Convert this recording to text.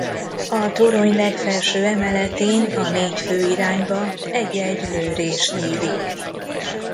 A torony legfelső emeletén a négy fő irányba egy-egy lőrés nyílik.